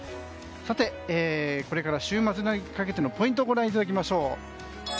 さて、これから週末にかけてのポイントご覧いただきましょう。